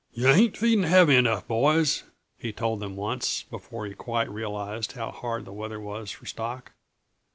"Yuh ain't feeding heavy enough, boys," he told them once, before he quite realized how hard the weather was for stock.